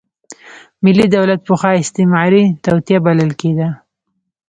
ملي دولت پخوا استعماري توطیه بلل کېده.